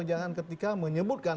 jangan ketika menyebutkan